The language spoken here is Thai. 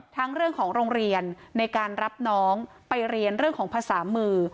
เรื่องของโรงเรียนในการรับน้องไปเรียนเรื่องของภาษามือ